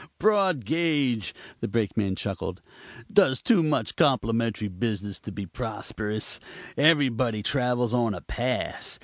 "Broad gauge," the Brakeman chuckled; "does too much complimentary business to be prosperous. Everybody travels on a pass.